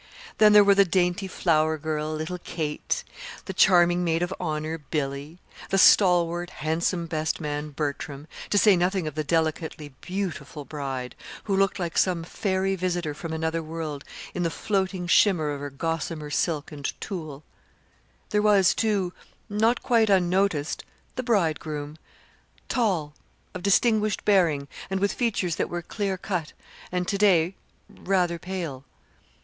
Then there were the dainty flower girl, little Kate, the charming maid of honor, Billy, the stalwart, handsome best man, Bertram, to say nothing of the delicately beautiful bride, who looked like some fairy visitor from another world in the floating shimmer of her gossamer silk and tulle. There was, too, not quite unnoticed, the bridegroom; tall, of distinguished bearing, and with features that were clear cut and to day rather pale.